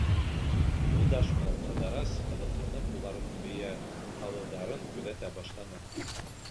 Юлдаш менән Ҡыҙырас ҡыҙыҡһынып уларҙың бейә һауыуҙарын күҙәтә башланы.